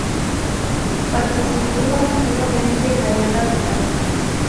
Participó activamente en la Guerra del Pacífico.